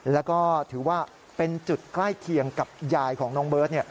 แล้วก็ถือว่าเป็นจุดใกล้เคียงกับยายของน้องเบิร์ต